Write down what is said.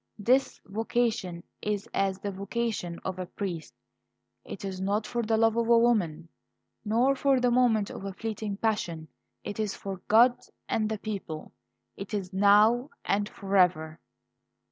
This vocation is as the vocation of a priest; it is not for the love of a woman, nor for the moment of a fleeting passion; it is FOR GOD AND THE PEOPLE; it is NOW AND FOREVER."